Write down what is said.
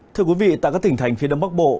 thưa quý vị tại các tỉnh thành phía đông bắc bộ